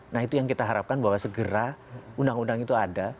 nah itu yang kita harapkan bahwa segera undang undang itu ada